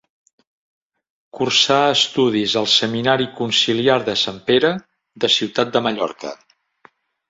Cursà estudis al seminari conciliar de Sant Pere, de Ciutat de Mallorca.